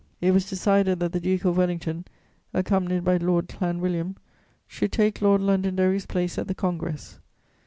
It was decided that the Duke of Wellington, accompanied by Lord Clanwilliam, should take Lord Londonderry's place at the Congress.